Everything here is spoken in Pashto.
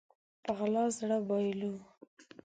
په غلا زړه بايلو